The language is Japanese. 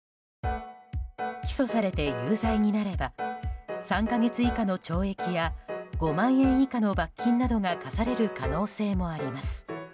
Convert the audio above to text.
起訴されて有罪になれば３か月以下の懲役や５万円以下の罰金などが科される可能性もあります。